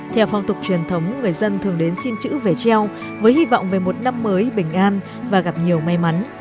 theo phong tục truyền thống người dân thường đến xin chữ về treo với hy vọng về một năm mới bình an và gặp nhiều may mắn